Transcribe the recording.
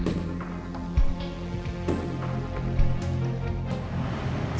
dia tenggelam masuk ke masjid